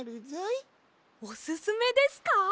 おすすめですか？